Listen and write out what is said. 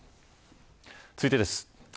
続いてです。